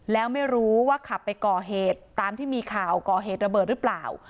แล้วไม่รู้ว่าขับไปก่อเหตุตามที่มีข่าวก่อเหตุระเบิดหรือเปล่า